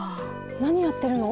なにやってるの？